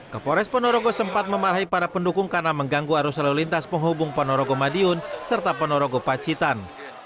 ke forest penerogu sempat memarahi para pendukung karena mengganggu arus lalu lintas penghubung penerogu madiun serta penerogu pacitan